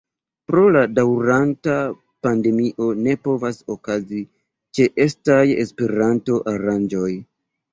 Pro la daŭranta pandemio ne povas okazi ĉeestaj Esperanto-aranĝoj.